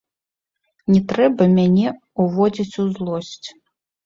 Не трэба мяне ўводзіць у злосць.